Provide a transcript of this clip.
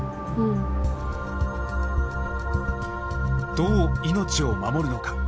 どう命を守るのか。